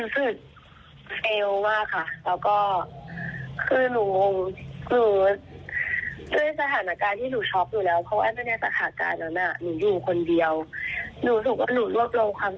คือว่าหนูเฟลมากอ่าคนร้ายอ่ะเขาโมโหด้วยนะคะ